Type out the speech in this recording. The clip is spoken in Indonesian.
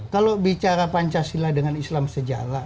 kalau bicara pancasila dengan islam sejala